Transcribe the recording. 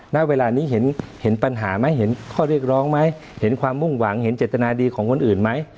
ณเวลานี้เห็นปัญหาไหมเห็นข้อเรียกร้องไหมเห็นความมุ่งหวังเห็นเจตนาดีของคนอื่นไหม